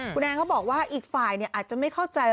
คุณแอนเขาบอกว่าอีกฝ่ายอาจจะไม่เข้าใจ